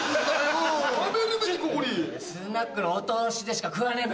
スナックのお通しでしか食わねえべ